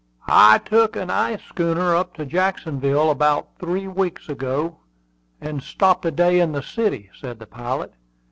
"I took an ice schooner up to Jacksonville about three weeks ago, and I stopped a day in the city," said the pilot.